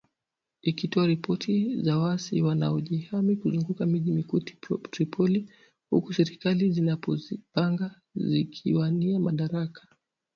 Ikitoa ripoti za waasi wanaojihami kuzunguka mji mkuu Tripoli huku serikali zinazopingana zikiwania madaraka.